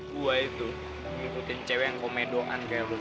gue itu ngikutin cewek komedoan kayak lo tuh